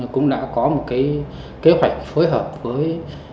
cũng đã có một kế hoạch phối hợp với